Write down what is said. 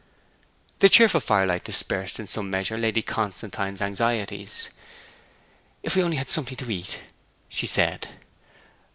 The cheerful firelight dispersed in some measure Lady Constantine's anxieties. 'If we only had something to eat!' she said.